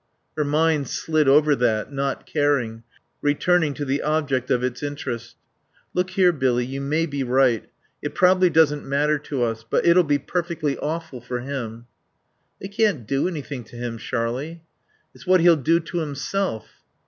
Her mind slid over that, not caring, returning to the object of its interest. "Look here, Billy, you may be right. It probably doesn't matter to us. But it'll be perfectly awful for him." "They can't do anything to him, Sharlie." "It's what he'll do to himself."